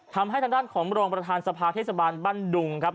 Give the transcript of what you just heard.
ทำให้ด้านของโรงประทานสภาทเทศบาลบรรดุงครับ